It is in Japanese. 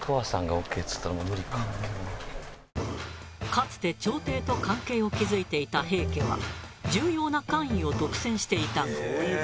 かつて朝廷と関係を築いてた平家は重要な官位を独占していたが。